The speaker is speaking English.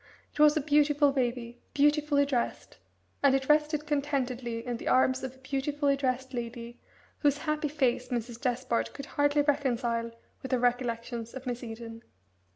It was a beautiful baby beautifully dressed, and it rested contentedly in the arms of a beautifully dressed lady, whose happy face Mrs. Despard could hardly reconcile with her recollections of Miss Eden.